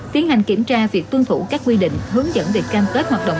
tiến hành kiểm tra việc tuân thủ các quy định hướng dẫn về cam kết hoạt động